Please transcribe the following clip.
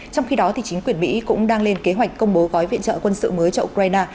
trong khi đó chính quyền mỹ cũng đang lên kế hoạch công bố gói viện trợ quân sự mới cho ukraine